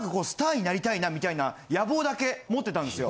みたいな野望だけ持ってたんですよ。